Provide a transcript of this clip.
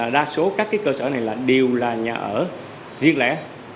đa số các cơ sở này đều là nhà ở riêng lẻ